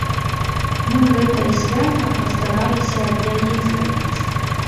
Мы гэтае свята пастараліся для іх зрабіць.